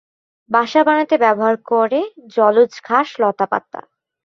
বাসা বানাতে ব্যবহার করে জলজ ঘাস লতাপাতা।